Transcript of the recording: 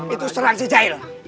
itu serang jejail